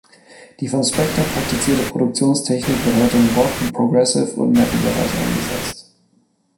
Die von Spector praktizierte Produktionstechnik wird heute im Rock, Progressive- und Metal-Bereich eingesetzt.